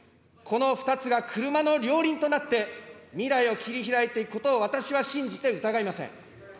この２つが車の両輪となって、未来を切りひらいていくことを私は信じて疑いません。